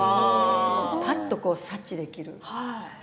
ぱっと察知できる。